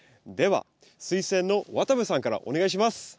ではスイセンの渡部さんからお願いします。